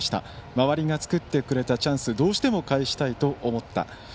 周りが作ってくれたチャンスどうしてもかえしたいと思った。